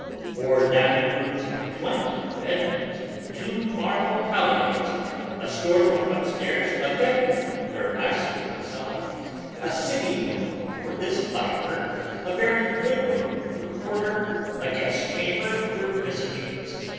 Four dining rooms, twenty bed rooms, two marble colonnades, a store room upstairs, a bed room where I sleep myself, a sitting room for this viper, a very good room for the porter, a guest chamber for visitors.